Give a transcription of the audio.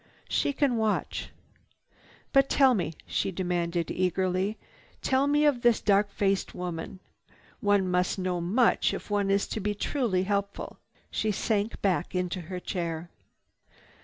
She can watch. But tell me," she demanded eagerly, "tell me of this dark faced woman. One must know much if one is to be truly helpful." She sank back into her chair.